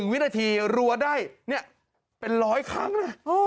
วินาทีรัวได้เป็น๑๐๐ครั้งเลย